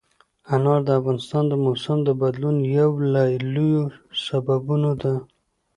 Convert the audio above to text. انار د افغانستان د موسم د بدلون یو له لویو سببونو ده.